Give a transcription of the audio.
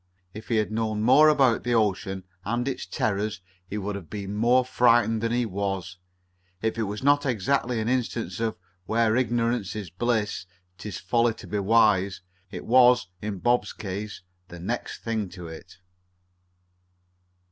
If he had known more about the ocean and its terrors he would have been more frightened than he was. If it was not exactly an instance of "where ignorance is bliss, 'tis folly to be wise," it was, in Bob's case, the next thing to it.